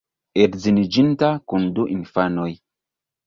Edziniĝinta, kun du infanoj.